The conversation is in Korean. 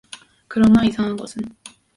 그러나 이상한 것은